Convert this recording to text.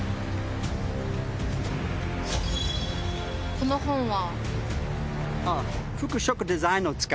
この本は？